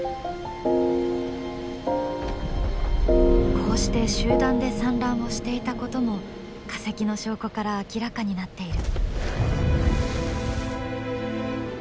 こうして集団で産卵をしていたことも化石の証拠から明らかになっている。